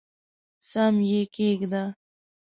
سم یې کښېږده !